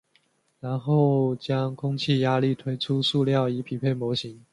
然后将空气压力推出塑料以匹配模具。